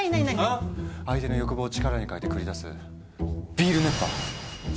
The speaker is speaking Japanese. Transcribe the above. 相手の欲望を力に変えて繰り出す「ビール熱波」！